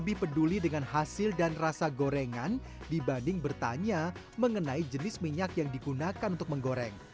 hasil dan rasa gorengan dibanding bertanya mengenai jenis minyak yang digunakan untuk menggoreng